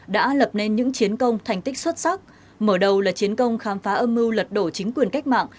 đã lập nên những chiến công thành tích xuất sắc mở đầu là chiến công khám phá âm mưu lật đổ chính quyền cách mạng